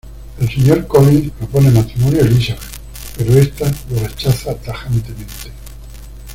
El señor Collins propone matrimonio a Elizabeth, pero esta lo rechaza tajantemente.